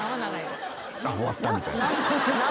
あっ終わったみたいな。